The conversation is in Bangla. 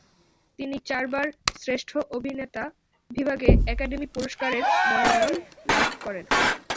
তিনি চারবার শ্রেষ্ঠ অভিনেতা বিভাগে একাডেমি পুরস্কারের মনোনয়ন লাভ করেন।